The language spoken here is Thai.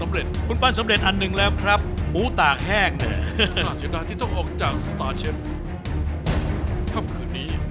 อาจจะได้ที่ต้องออกจากสตาเชฟครับคืนนี้